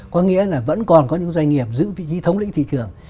có nghĩa là vẫn còn có những doanh nghiệp giữ vị trí thống lĩnh thị trường